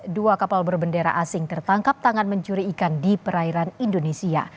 dua kapal berbendera asing tertangkap tangan mencuri ikan di perairan indonesia